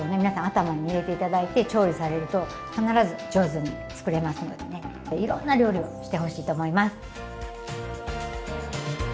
皆さん頭に入れていただいて調理されると必ず上手に作れますのでねいろんな料理をしてほしいと思います。